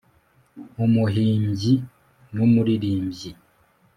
umuhimbyi n'umuririmbyi